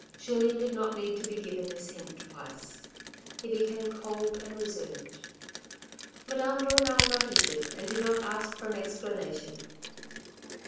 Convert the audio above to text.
Julien did not need to be given this hint twice. He became cold and reserved. Madame de Renal noticed it and did not ask for an explana tion.